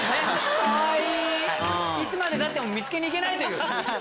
いつまでたっても見つけに行けない。